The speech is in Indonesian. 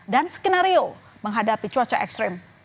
skenario menghadapi cuaca ekstrim